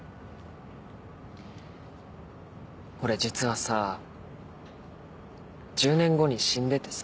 俺実はさ１０年後に死んでてさ。